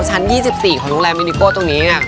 ชั้น๒๔ของบริกาแมกเจ้าวนี่